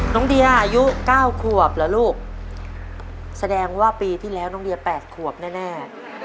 น้องเดียอายุ๙ขวบเหรอลูกแสดงว่าปีที่แล้วน้องเดีย๘ขวบแน่